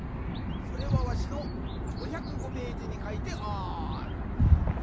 それはわしの５０５ページにかいてある。